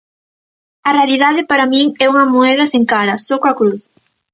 A realidade, para min, é unha moeda sen cara, só coa cruz.